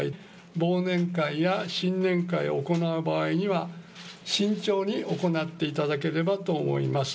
忘年会や新年会を行う場合には、慎重に行っていただければと思います。